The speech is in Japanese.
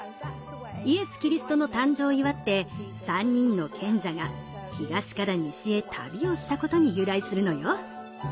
イエス・キリストの誕生を祝って３人の賢者が東から西へ旅をしたことに由来するのよ。